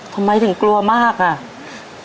ทำไมถึงกลัวมากอ่ะ